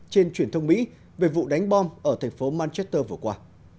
trên truyền thông mỹ về vụ đánh bom ở thành phố manchester vừa qua